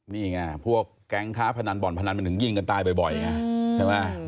นี่ไงพวกแก๊งค้าพนันบ่อนพนันมันถึงยิงกันตายบ่อยไงใช่ไหม